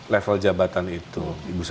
level jabatan itu